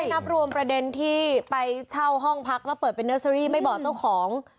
นับรวมประเด็นที่ไปเช่าห้องพักแล้วเปิดเป็นเนอร์เซอรี่ไม่บอกเจ้าของ